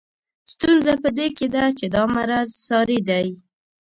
ستونزه په دې کې ده چې دا مرض ساري دی.